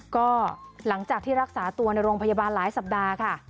ก็หลังจากที่รักษาตัวในโรงพยาบาลหลายสัปดาห์ค่ะ